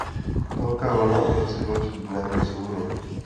Velká vlna obrací loď dnem vzhůru.